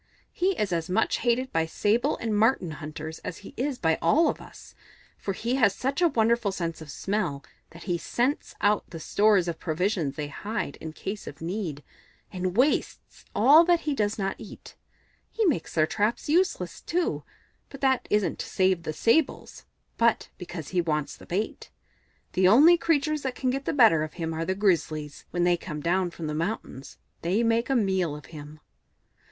He is as much hated by Sable and Marten hunters as he is by all of us, for he has such a wonderful sense of smell that he scents out the stores of provisions they hide in case of need, and wastes all that he does not eat. He makes their traps useless, too but that isn't to save the Sables, but because he wants the bait. The only creatures that can get the better of him are the Grizzlies; when they come down from the mountains they make a meal of him."